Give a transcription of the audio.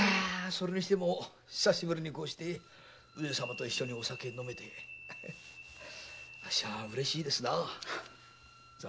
それにしても久しぶりにこうして上様と一緒にお酒を飲めてあっしは嬉しいですなあ。